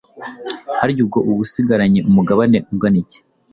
harya ubwo uba usigaranye umugabane ungana iki